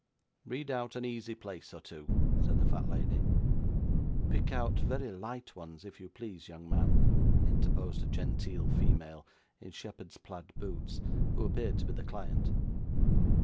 'Read out an easy place or two,' said the fat lady. 'Pick out very light ones, if you please, young man,' interposed a genteel female, in shepherd's plaid boots, who appeared to be the client.